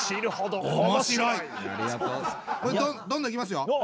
どんどんいきますよ。